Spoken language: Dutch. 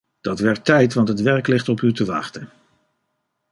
Dat werd tijd, want het werk ligt op u te wachten.